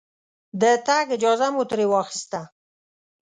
د تګ اجازه مو ترې واخسته.